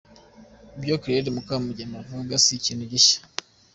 Ibyo Claire Mukamugema avuga si ikintu gishya.